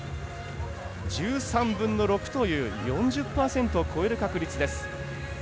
１３分の６という４０％を超える確率です。